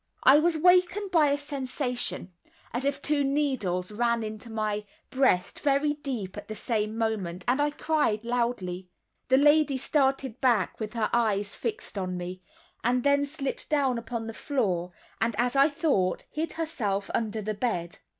I was wakened by a sensation as if two needles ran into my breast very deep at the same moment, and I cried loudly. The lady started back, with her eyes fixed on me, and then slipped down upon the floor, and, as I thought, hid herself under the bed.